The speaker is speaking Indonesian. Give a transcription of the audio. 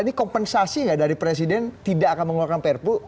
ini kompensasi nggak dari presiden tidak akan mengeluarkan perpu